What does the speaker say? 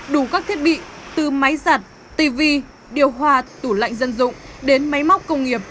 đủ các thiết bị từ máy giặt tv điều hòa tủ lạnh dân dụng đến máy móc công nghiệp